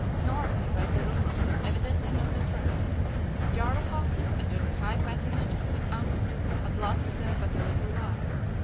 Norway, by the rumors, was evidently not at rest. Jarl Hakon, under the high patronage of his uncle, had lasted there but a little while.